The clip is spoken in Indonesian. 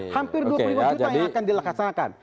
hampir dua puluh lima juta yang akan dilaksanakan